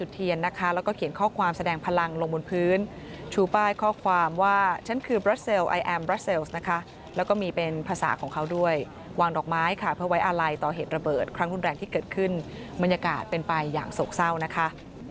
ที่เกิดขึ้นบรรยากาศเป็นไปอย่างโศกเศร้านะคะ